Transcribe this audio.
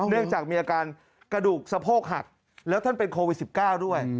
เนื่องจากมีอาการกระดูกสะโพกหักแล้วท่านเป็นโควิด๑๙ด้วย